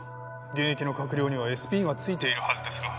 現役の閣僚にはＳＰがついているはずですが。